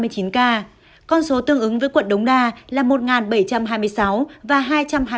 con số tương ứng với quận đống đa là một bảy trăm hai mươi sáu và hai trăm hai mươi tám